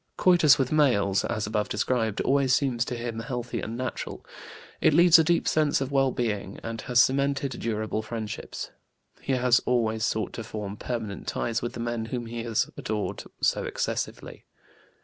Coitus with males, as above described, always seems to him healthy and natural; it leaves a deep sense of well being, and has cemented durable friendships. He has always sought to form permanent ties with the men whom he has adored so excessively.